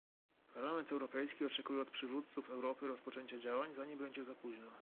Parlament Europejski oczekuje od przywódców Europy rozpoczęcia działań, zanim będzie za późno